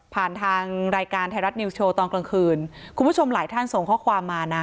ผ่านทางรายการไทยรัฐนิวส์โชว์ตอนกลางคืนคุณผู้ชมหลายท่านส่งข้อความมานะ